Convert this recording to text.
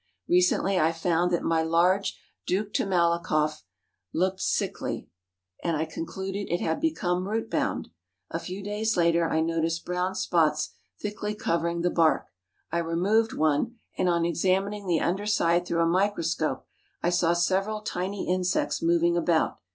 Recently I found that my large Duc de Malakoff looked sickly, and I concluded it had become root bound. A few days later, I noticed brown spots thickly covering the bark. I removed one, and on examining the under side through a microscope, I saw several tiny insects moving about.